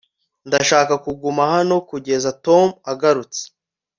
ndashaka kuguma hano kugeza tom agarutse